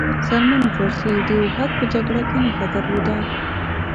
سلمان فارسي داوحد په جګړه کې نښه درلوده.